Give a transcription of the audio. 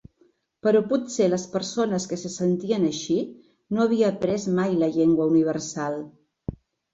Però potser les persones que se sentien així no havia après mai la llengua universal.